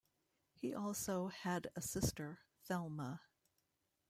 He also had a sister, Thelma.